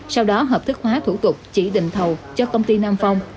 sau đó hợp thức hóa thủ tục chỉ định thầu cho công ty nam phong